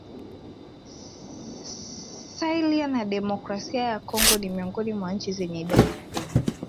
Syria na demokrasia ya Kongo ni miongoni mwa nchi zenye idadi kubwa